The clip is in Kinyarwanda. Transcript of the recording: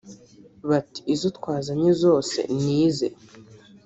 Bati“ Izo twazanye zose ni ize”